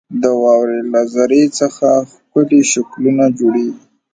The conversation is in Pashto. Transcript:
• د واورې له ذرې څخه ښکلي شکلونه جوړېږي.